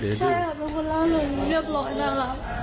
ใช่ค่ะเป็นคนล่าลงเรียบร้อยน่ารัก